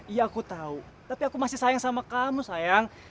iya aku tahu tapi aku masih sayang sama kamu sayang